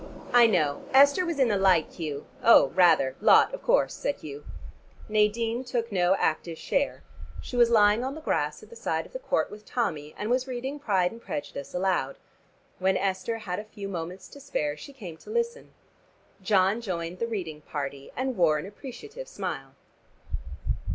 "I know. Esther was in the light, Hugh." "Oh rather, lot, of course," said Hugh. Nadine took no active share. She was lying on the grass at the side of the court with Tommy, and was reading "Pride and Prejudice" aloud. When Esther had a few moments to spare she came to listen. John joined the reading party, and wore an appreciative smile.